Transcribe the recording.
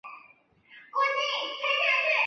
乾隆五十二年署荣县贡井县丞。